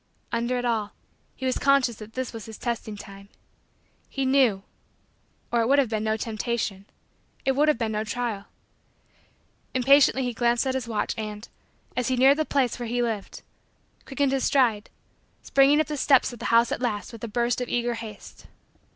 Under it all, he was conscious that this was his testing time. He knew or it would have been no Temptation it would have been no trial. Impatiently he glanced at his watch and, as he neared the place where he lived, quickened his stride, springing up the steps of the house at last with a burst of eager haste.